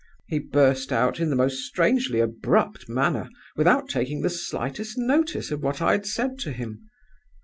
he burst out, in the most strangely abrupt manner, without taking the slightest notice of what I had said to him.